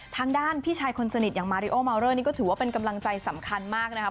ทางด้านพี่ชายคนสนิทอย่างมาริโอมาวเลอร์นี่ก็ถือว่าเป็นกำลังใจสำคัญมากนะคะ